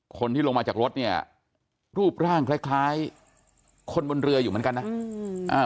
คนที่ลงมาจากรถเนี่ยรูปร่างคล้ายคล้ายคนบนเรืออยู่เหมือนกันนะ